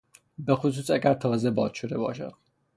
بخصوص اگر تازه باد شده باشد.